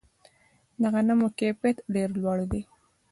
د غنمو کیفیت ډیر لوړ دی.